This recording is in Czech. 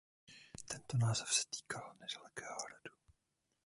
Tento název se týkal nedalekého hradu.